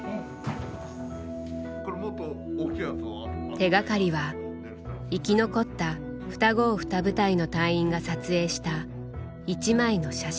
手がかりは生き残った２５２部隊の隊員が撮影した一枚の写真。